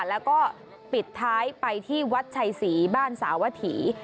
แล้วก็ปิดท้ายไปที่วัดชัยศรีบ้านสาวถี